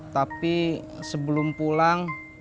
tapi sebelum pulang